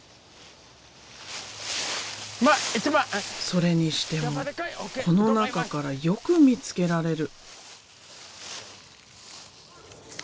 それにしてもこの中からよく見つけられる。